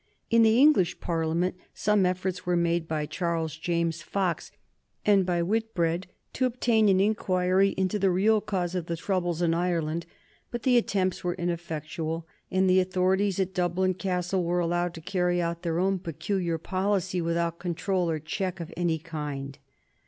In the English Parliament some efforts were made by Charles James Fox and by Whitbread to obtain an inquiry into the real cause of the troubles in Ireland, but the attempts were ineffectual, and the authorities at Dublin Castle were allowed to carry out their own peculiar policy without control or check of any kind.